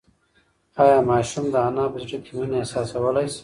ایا ماشوم د انا په زړه کې مینه احساسولی شي؟